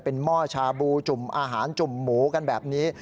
เป็นหม้อชาบูจุ่มอาหารจุ่มหมูกันแบบนี้